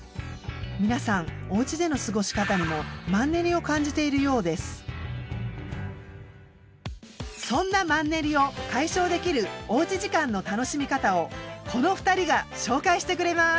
皆さんおうちでの過ごし方にもそんなマンネリを解消できるおうち時間の楽しみ方をこの２人が紹介してくれます。